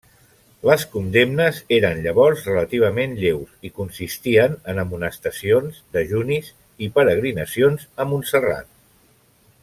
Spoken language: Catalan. Les condemnes eren llavors relativament lleus i consistien en amonestacions, dejunis i peregrinacions a Montserrat.